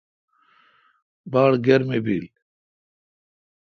باڑ گرمی بیل۔